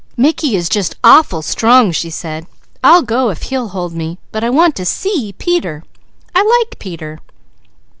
"Mickey is just awful strong," she said. "I'll go if he'll hold me. But I want to see Peter! I like Peter!"